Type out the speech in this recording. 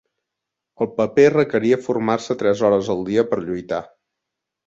El paper requeria formar-se tres hores al dia per lluitar.